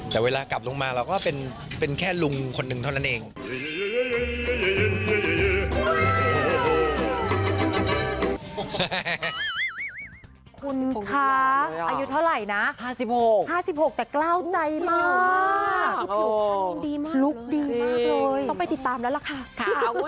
แต่เวลากลับลงมาเราก็เป็นแค่ลุงคนหนึ่งเท่านั้นเอง